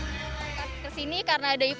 kita akan ke sini karena ada yang berbuka